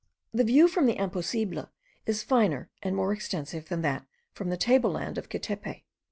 The view from the Imposible is finer and more extensive than that from the table land of Quetepe.